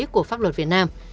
của pháp luật việt nam